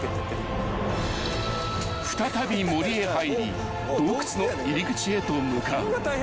［再び森へ入り洞窟の入り口へと向かう］